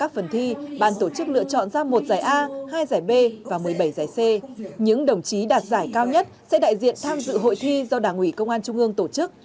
và một mươi bảy giái c những đồng chí đạt giải cao nhất sẽ đại diện tham dự hội thi do đảng ủy công an trung ương tổ chức